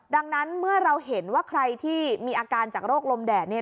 ดังนั้นเมื่อเราเห็นว่าใครที่มีอาการจากโรคลมแดด